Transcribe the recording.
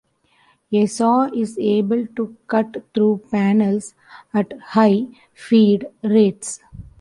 A saw is able to cut through panels at high feed rates.